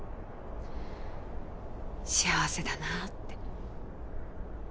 幸せだなぁって。